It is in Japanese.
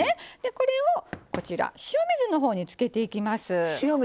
これを塩水のほうにつけていきます。